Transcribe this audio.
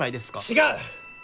違う！